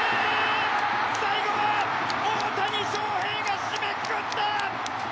最後は大谷翔平が締めくくった！